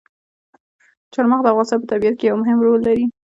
چار مغز د افغانستان په طبیعت کې یو مهم رول لري.